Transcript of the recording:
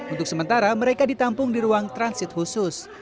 untuk sementara mereka ditampung di ruang transit khusus